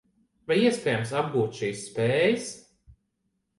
Vai iespējams apgūt šīs spējas?